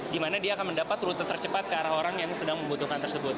di mana dia akan mendapat rute tercepat ke arah orang yang sedang membutuhkan tersebut